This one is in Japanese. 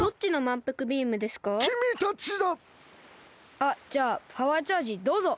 あっじゃあパワーチャージどうぞ。